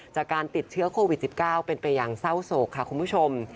จากการติดเชื้อโควิด๑๙เป็นไปอย่างเศร้าโศกค่ะคุณผู้ชม